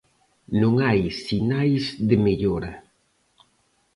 Non hai sinais de mellora.